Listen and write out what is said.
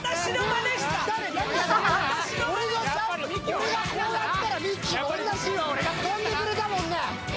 俺がこうやったらミッキーも飛んでくれたもんね。